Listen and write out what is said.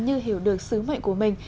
như hiểu được sứ mệnh của mình